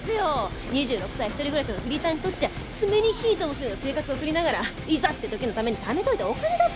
「２６歳一人暮らしのフリーターにとっちゃ爪に火ともすような生活送りながらいざって時のために貯めといたお金だったんです」